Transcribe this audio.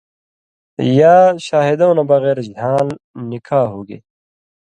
یا شاہِدؤں نہ بغیر ژھان٘ل (نِکاح) ہُوگے۔